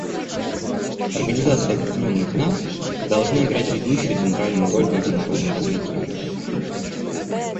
Организация Объединенных Наций должна играть ведущую и центральную роль в международном развитии.